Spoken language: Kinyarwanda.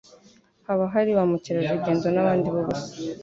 Haba hari ba mukerarugendo n'abandi b'ubusa